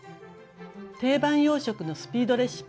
定番洋食のスピードレシピ。